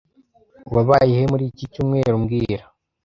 Wabaye he muri iki cyumweru mbwira